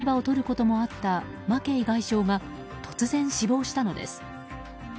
ロシアに批判的な立場をとることもあったマケイ外相が突然、死亡したのです。